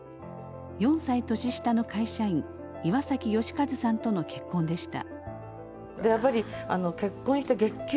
４歳年下の会社員岩崎嘉一さんとの結婚でした。